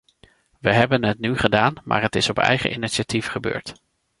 We hebben het nu gedaan maar het is op eigen initiatief gebeurd.